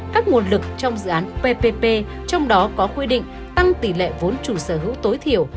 các nguồn lực trong dự án ppp trong đó có quy định tăng tỷ lệ vốn chủ sở hữu tối thiểu